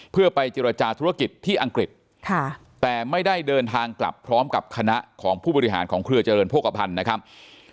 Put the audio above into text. เพื่อไปเจรจาธุรกิจที่อังกฤษแต่ไม่ได้เดินทางกลับพร้อมกับคณะของผู้บริหารของเครือเจริญโภคภัณฑ์นะครับ